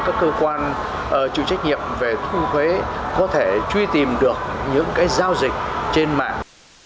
các cơ quan chịu trách nhiệm về thu thuế có thể truy tìm được những giao dịch trên mạng